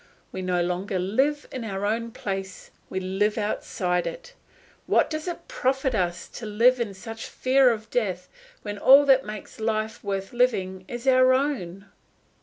We no longer live in our own place, we live outside it. What does it profit us to live in such fear of death, when all that makes life worth living is our own?